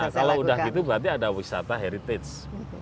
kalau udah gitu berarti ada wisata heritage